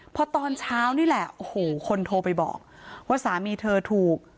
พอตอนเช้านี่แหละโอ้โหคนโทรไปบอกว่าสามีเธอถูก